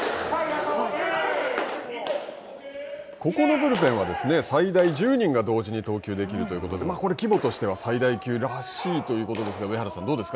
ここのブルペンは最大１０人が同時に投球できるということでこれ、規模としては最大級らしいということですが上原さん、どうですか。